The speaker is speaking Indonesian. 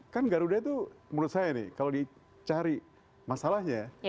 kan garuda itu menurut saya nih kalau dicari masalahnya